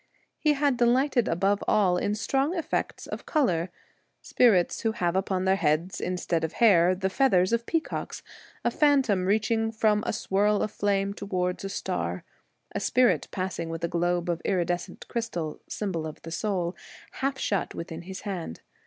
He had delighted above all in strong effects of colour : spirits who have upon their heads instead of hair the feathers of peacocks ; a phantom reach ing from a swirl of flame towards a star ; a spirit passing with a globe of iridescent crystal — symbol of the soul — half shut within his hand.